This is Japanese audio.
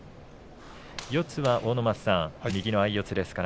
四つは、阿武松さん右の相四つですね。